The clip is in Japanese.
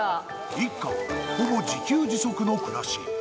一家はほぼ自給自足の暮らし。